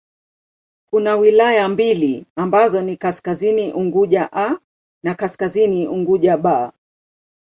Kuna wilaya mbili ambazo ni Kaskazini Unguja 'A' na Kaskazini Unguja 'B'.